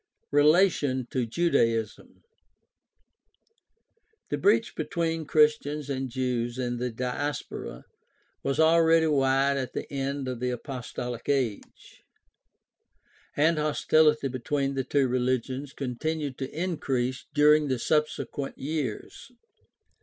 Relation to Judaism. — The breach between Christians and Jews of the Diaspora was already wide at the end of the Apostolic Age, and hostility between the two religions con tinued to increase during the subsequent years.